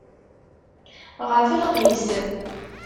Ɣef lqis!